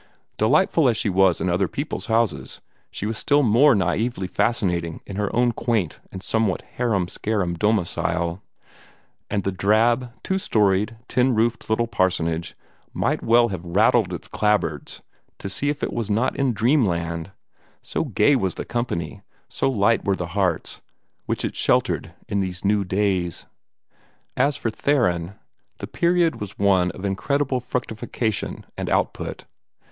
Delightful as she was in other people's houses, she was still more naively fascinating in her own quaint and somewhat harum scarum domicile; and the drab, two storied, tin roofed little parsonage might well have rattled its clapboards to see if it was not in dreamland so gay was the company, so light were the hearts, which it sheltered in these new days. As for Theron, the period was one of incredible fructification and output.